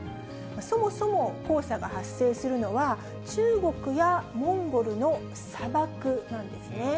そもそも黄砂が発生するのは、中国やモンゴルの砂漠なんですね。